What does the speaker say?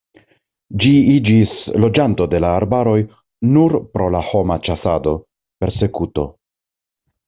Ĝi iĝis loĝanto de la arbaroj nur pro la homa ĉasado, persekuto.